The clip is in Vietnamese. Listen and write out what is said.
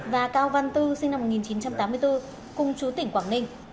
và cao văn tư sinh năm một nghìn chín trăm tám mươi bốn cùng chú tỉnh quảng ninh